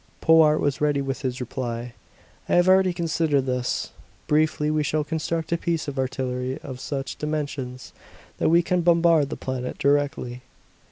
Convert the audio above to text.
Powart was ready with his reply. "I have already considered this. Briefly we shall construct a piece of artillery of such dimensions that we can bombard the planet directly!"